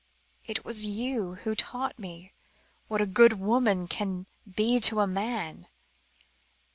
It was you who taught me what a good woman can be to a man.